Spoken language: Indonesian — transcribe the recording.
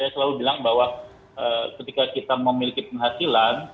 saya selalu bilang bahwa ketika kita memiliki penghasilan